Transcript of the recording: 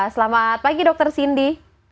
selamat pagi dokter sindi